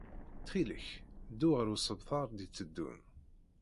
Ttxil-k ddu ɣer usebter d-itteddun.